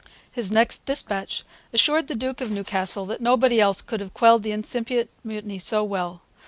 His next dispatch assured the Duke of Newcastle that nobody else could have quelled the incipient mutiny so well.